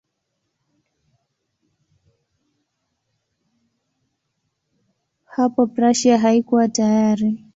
Hapo Prussia haikuwa tayari.